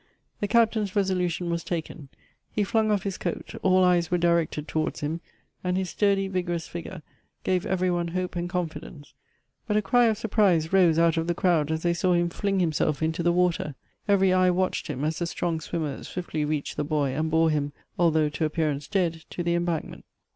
The Captain's resolution was taken; he flung off his coat; all eyes were directed towards him, and his sturdy vigorous figure gave 124 Goethe's every one hope and confidence : but a cry of surprise rose out of the crowd as they saw him fling himself into the water — every eye watched him as the strong swimmer swiftly reached the boy, and bore him, although to ap pearance dead, to the embankment.